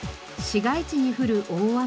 市街地に降る大雨。